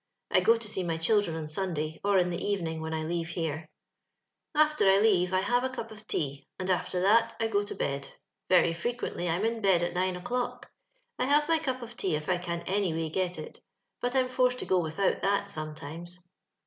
I go to see my children on Sunday, or in the evening, when I leave here. *' After I leave I have a cup of tea, and after that I go to bed ; very ft equently I'm in Itedat nine o'clock. I liave my cup c»f tea if I can anyway get it; but I'm forced to go without that sometimes.